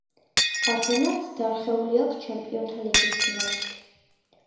არსენალს დარხეული აქ ჩემპიონთა ლიგის ფინალში